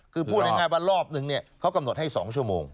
คือพูดง่ายว่ารอบนึงเขากำหนดให้๒ชั่วโมง